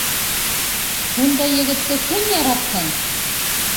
Шундай егетте кем яратһын?